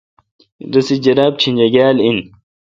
رسے جراب چینجاگال این۔